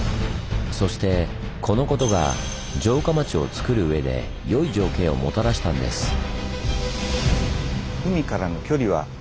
そしてこのことが城下町をつくるうえでよい条件をもたらしたんです。